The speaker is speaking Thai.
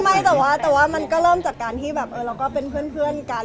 ไม่แต่ว่ามันก็เริ่มจากการที่แบบเราก็เป็นเพื่อนกัน